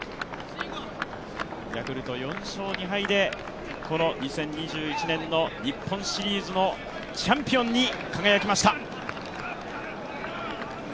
ヤクルト４勝２敗でこの２０２１年の日本シリーズのチャンピオンに輝きました。